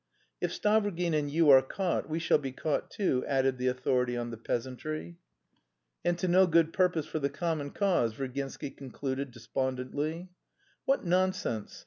"If Stavrogin and you are caught, we shall be caught too," added the authority on the peasantry. "And to no good purpose for the common cause," Virginsky concluded despondently. "What nonsense!